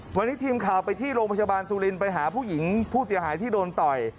วันนี้ทีมข่าวไปที่โรงพยาบาลสุรินทร์ไปหาผู้หญิงผู้เสียหายที่โดนต่อย